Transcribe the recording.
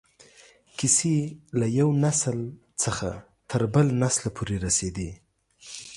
کیسې له یو نسل څخه تر بل نسله پورې رسېدې.